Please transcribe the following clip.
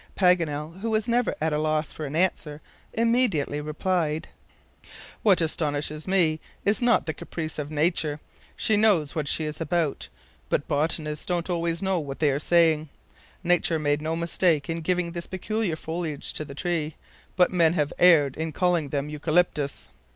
Paganel, who was never at a loss for an answer, immediately replied: "What astonishes me is not the caprice of nature. She knows what she is about, but botanists don't always know what they are saying. Nature made no mistake in giving this peculiar foliage to the tree, but men have erred in calling them EUCALYPTUS."